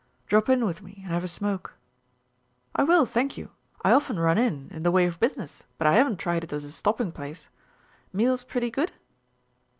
"Drop in with me and have a smoke." "I will, thank you. I often run in, in the way of business, but I haven't tried it as a stopping place. Meals pretty good?"